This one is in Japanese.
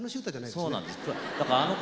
そうなんです実は。